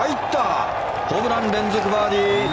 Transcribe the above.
ホブラン、連続バーディー！